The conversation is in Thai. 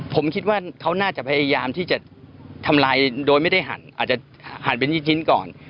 ผมคิดว่าเขาน่าจะพยายามที่จะทำลายโดยไม่ได้หั่นอาจจะหั่นเป็นชิ้นก่อน